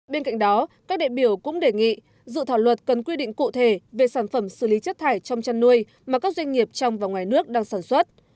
bên cạnh đó các đại biểu cũng đề nghị dự thảo luật cần quy định cụ thể về sản phẩm xử lý chất thải trong chăn nuôi mà các doanh nghiệp trong và ngoài nước đang sản xuất